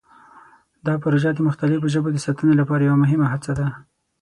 دا پروژه د مختلفو ژبو د ساتنې لپاره یوه مهمه هڅه ده.